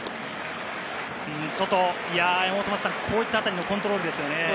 こういったあたりのコントロールですよね。